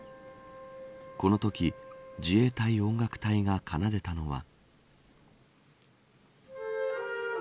このとき自衛隊音楽隊が奏でたのは。